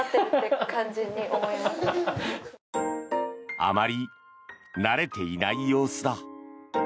あまり慣れていない様子だ。